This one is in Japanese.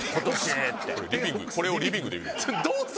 これをリビングで言う。